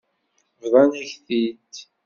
Bḍan-ak-t-id.